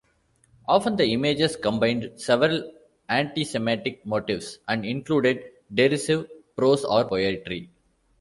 Often, the images combined several antisemitic motifs and included derisive prose or poetry.